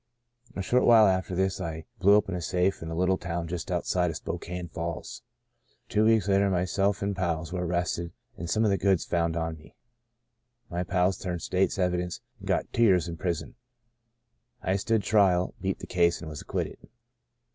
A short while after this, I blew open a safe in a little town just outside of Spokane 1 o6 Sons of Ishmael Falls. Two weeks later myself and pals were arrested and some of the goods found on me. My pals turned state's evidence, and got two years in prison. I stood trial, * beat ' the case and was acquitted.